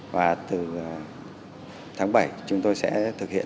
và từ tháng bảy chúng tôi sẽ thực hiện